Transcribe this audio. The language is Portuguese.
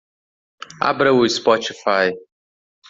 Abra o Spotify.